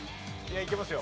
いけますよ。